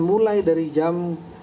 mulai dari jam